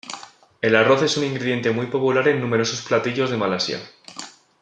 El arroz es un ingrediente muy popular en numerosos platillos de Malasia.